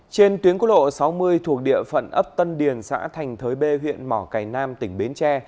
trên tuyến cố lộ sáu mươi thuộc địa phận ấp tân điền xã thành thới b huyện mỏ cày nam tỉnh bến tre